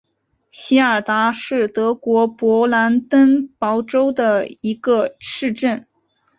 席尔达是德国勃兰登堡州的一个市镇。